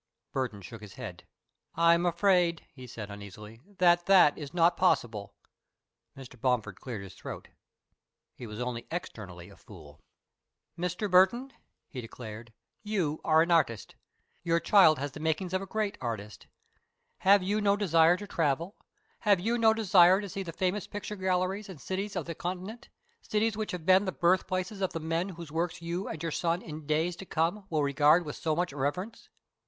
Burton shook his head. "I am afraid," he said, uneasily, "that that is not possible." Mr. Bomford cleared his throat. He was only externally a fool. "Mr. Burton," he declared, "you are an artist. Your child has the makings of a great artist. Have you no desire to travel? Have you no desire to see the famous picture galleries and cities of the Continent, cities which have been the birthplaces of the men whose works you and your son in days to come will regard with so much reverence?"